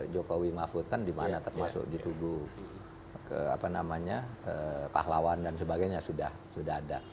jokowi mafud kan dimana termasuk dituguh pahlawan dan sebagainya sudah ada